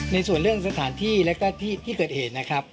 ในส่วนเรื่องสถานที่แล้วก็ที่เกิดเหตุนะครับ